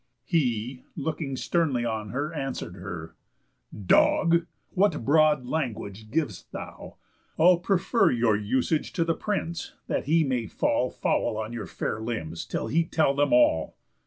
He, looking sternly on her, answer'd her: "Dog! What broad language giv'st thou? I'll prefer Your usage to the prince, that he may fall Foul on your fair limbs till he tell them all."